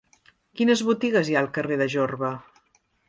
Quines botigues hi ha al carrer de Jorba?